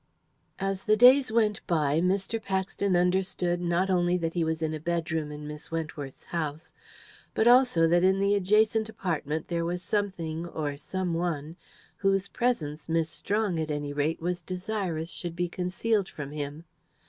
As the days went by Mr. Paxton understood not only that he was in a bedroom in Miss Wentworth's house, but also that in the adjacent apartment there was something, or some one, whose presence Miss Strong, at any rate, was desirous should be concealed from him.